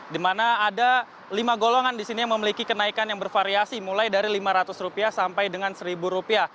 di mana ada lima golongan di sini yang memiliki kenaikan yang bervariasi mulai dari rp lima ratus sampai dengan rp satu